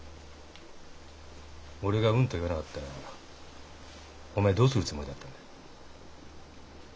俺がうんと言わなかったらお前どうするつもりだった？